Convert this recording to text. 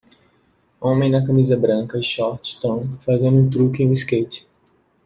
Homem na camisa branca e shorts tan fazendo um truque em um skate.